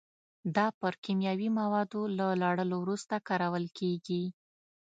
دا پر کیمیاوي موادو له لړلو وروسته کارول کېږي.